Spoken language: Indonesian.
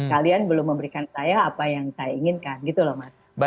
kalian belum memberikan saya apa yang saya inginkan gitu loh mas